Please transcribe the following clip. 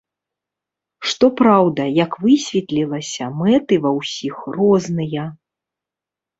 Што праўда, як высветлілася, мэты ва ўсіх розныя.